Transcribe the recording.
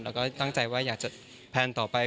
แล้วก็ตั้งใจว่าอยากจะแพลนต่อไป